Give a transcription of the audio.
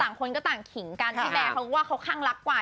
ต่างคนก็ต่างขิงกันพี่แบร์เขาก็ว่าเขาคลั่งรักกว่า